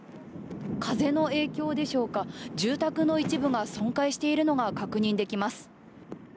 風の影響でしょうか住宅の一部が損壊しているのが確認できます。